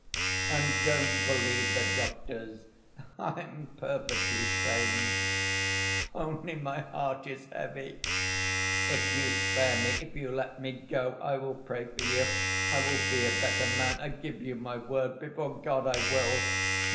And don't believe the doctors. I am perfectly sane, only my heart is heavy. If you spare me, if you let me go, I will pray for you. I will be a better man. I give you my word before God I will!